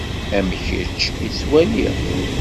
Am kečč i ttwaliɣ.